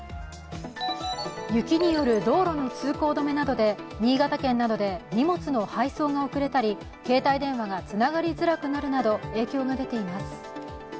雪による道路の通行止めなどで新潟県などで荷物の配送が遅れたり、携帯電話がつながりづらくなるなど、影響が出ています。